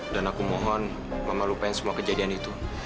dan aku mohon mama lupain semua kejadian itu